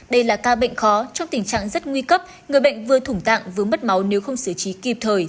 đây là ca bệnh khó trong tình trạng rất nguy cấp người bệnh vừa thủng tạng vướng mất máu nếu không xử trí kịp thời